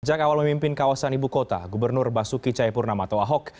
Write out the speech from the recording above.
sejak awal memimpin kawasan ibu kota gubernur basuki cayapurnama atau ahok